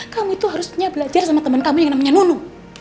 kamu itu harusnya belajar sama teman kamu yang namanya nunu